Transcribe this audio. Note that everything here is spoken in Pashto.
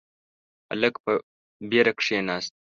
هلک په وېره کښیناست.